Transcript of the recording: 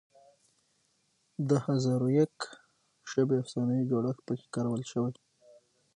د هزار و یک شب افسانوي جوړښت پکې کارول شوی دی.